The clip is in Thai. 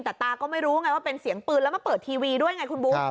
แต่ตาก็ไม่รู้ไงว่าเป็นเสียงปืนแล้วมาเปิดทีวีด้วยไงคุณบุ๊ค